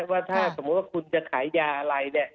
ว่าถ้าสมมุติว่าคุณจะขายยาอะไรเนี่ย